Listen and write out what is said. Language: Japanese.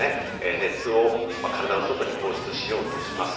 熱を体の外に放出しようとします。